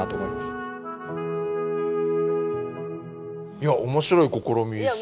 いや面白い試みですね。